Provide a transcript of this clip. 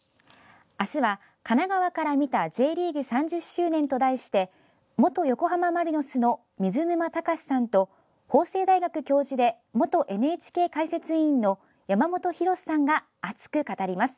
明日は、神奈川からみたＪリーグ３０周年と題しまして元横浜マリノスの水沼貴史さんと法政大学教授で元ＮＨＫ解説委員の山本浩さんが熱く語ります。